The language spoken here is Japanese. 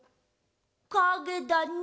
かげだね。